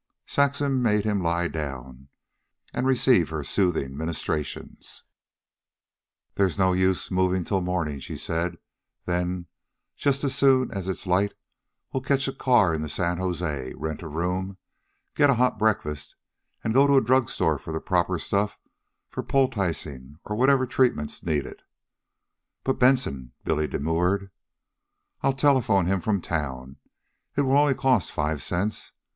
Saxon made him lie down and receive her soothing ministrations. "There is no use moving till morning," she said. "Then, just as soon as it's light, we'll catch a car into San Jose, rent a room, get a hot breakfast, and go to a drug store for the proper stuff for poulticing or whatever treatment's needed." "But Benson," Billy demurred. "I'll telephone him from town. It will only cost five cents.